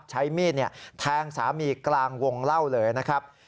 ใช้มีดแทงสามีกลางวงเล่าเลยนะครับ